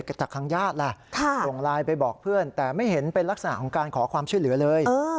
จากทางญาติล่ะส่งไลน์ไปบอกเพื่อนแต่ไม่เห็นเป็นลักษณะของการขอความช่วยเหลือเลย